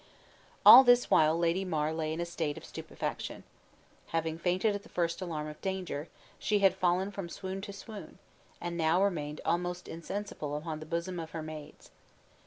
All this while Lady Mar lay in a state of stupefaction. Having fainted at the first alarm of danger, she had fallen from swoon to swoon, and now remained almost insensible upon the bosoms of her maids.